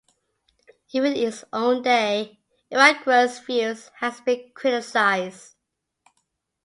Even in his own day, Evagrius' views had been criticised.